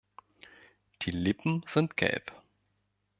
Die Lippen sind gelb.